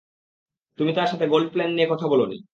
তুমি তার সাথে গোল্ড প্ল্যান নিয়ে কথা বলনি।